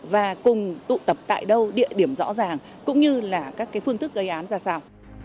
và cùng tụ tập tại đâu địa điểm rõ ràng cũng như là các phương thức gây án ra sao